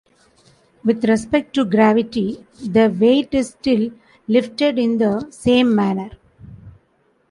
With respect to gravity, the weight is still lifted in the same manner.